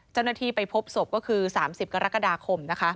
เจ้าหน้าที่ไปพบศพก็คือ๓๐กรกฎาคมนะคะ